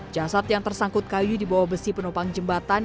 jasad yang tersangkut kayu di bawah besi penopang jembatan